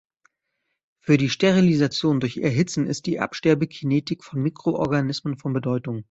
Für die Sterilisation durch Erhitzen ist die Absterbe-Kinetik von Mikroorganismen von Bedeutung.